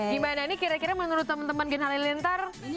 gimana ini kira kira menurut teman teman gen halilintar